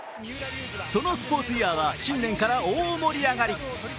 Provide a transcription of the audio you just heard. そのスポ−ツイヤーは新年から大盛り上がり。